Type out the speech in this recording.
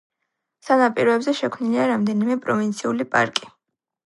სანაპიროებზე შექმნილია რამდენიმე პროვინციული პარკი.